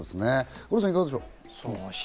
五郎さん、どうでしょう？